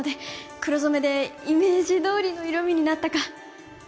黒染めでイメージどおりの色みになったか